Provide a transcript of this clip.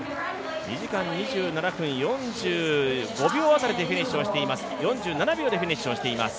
２時間２７分４７秒でフィニッシュをしています。